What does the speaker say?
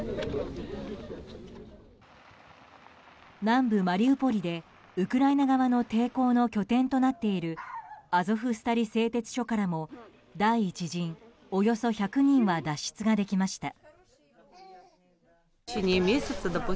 南部マリウポリでウクライナ側の抵抗の拠点となっているアゾフスタリ製鉄所からも第１陣およそ１００人は脱出ができました。